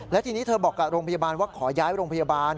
และทีนี้เธอบอกกับโรงพยาบาลว่าขอย้ายโรงพยาบาล